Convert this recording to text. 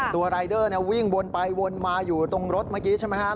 รายเดอร์วิ่งวนไปวนมาอยู่ตรงรถเมื่อกี้ใช่ไหมครับ